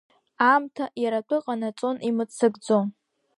Аамҭа иаратәы ҟанаҵон имыццакӡо.